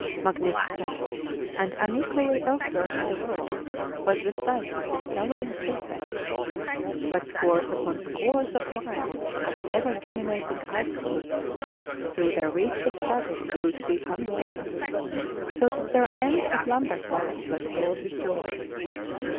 Magnificent, and une qualled elsewhere in the world, was the sight of this towering sea face, but scores upon scores of miles of ever dominating ice cliffs through their weeks of strug gle grew to be unwelcome, so that their end at Lam bert Land was hailed with joy.